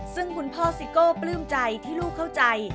ซึ่งคุณพ่อซิโก้ปลื้มใจที่ลูกเข้าใจ